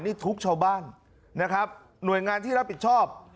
นี่ทุกชาวบ้านนะครับหน่วยงานที่รับผิดชอบ